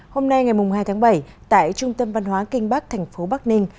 hôm nay ngày hai tháng bảy tại trung tâm văn hóa kinh bắc thành phố bắc ninh